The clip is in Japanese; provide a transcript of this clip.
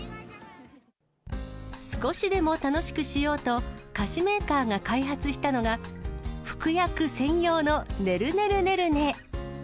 少しでも楽しくしようと、菓子メーカーが開発したのが、服薬専用のねるねるねるね。